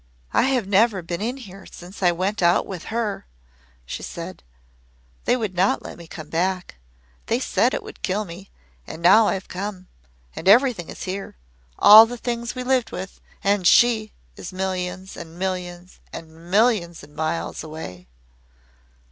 "I have never been in here since I went out with HER," she said. "They would not let me come back. They said it would kill me. And now I have come and everything is here all the things we lived with and SHE is millions and millions and millions of miles away!"